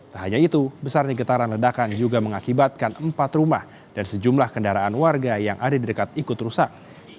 tak hanya itu besarnya getaran ledakan juga mengakibatkan empat rumah dan sejumlah kendaraan warga yang ada di dekat ikut rusak